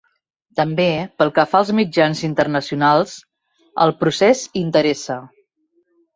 També pel que fa als mitjans internacionals, el procés interessa.